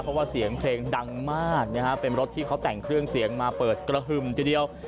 เพราะว่าเสียงเพลงดังมากนะฮะเป็นรถที่เขาแต่งเครื่องเสียงมาเปิดกระหึ่มทีเดียว